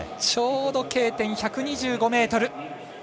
ちょうどＫ点１２５ｍ。